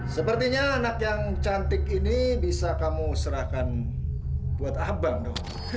sampai jumpa di video selanjutnya